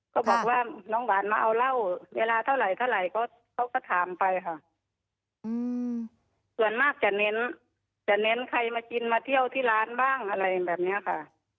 ก็บอกว่าน้องหวานมาเอาเล่าเวลาเท่าไหร่เท่าไหร่ก็เขาก็ถามไปค่ะ